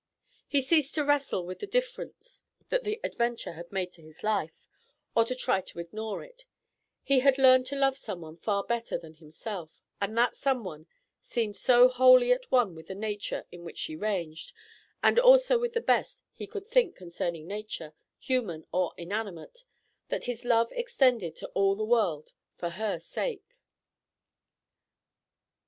He ceased to wrestle with the difference that the adventure had made in his life, or to try to ignore it; he had learned to love someone far better than himself, and that someone seemed so wholly at one with the nature in which she ranged, and also with the best he could think concerning nature, human or inanimate, that his love extended to all the world for her sake.